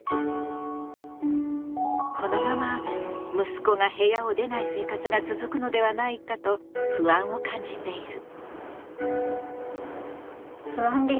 このまま息子が部屋を出ない生活が続くのではないかと不安を感じている。